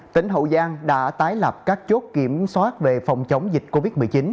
tỉnh hậu giang đã tái lập các chốt kiểm soát về phòng chống dịch covid một mươi chín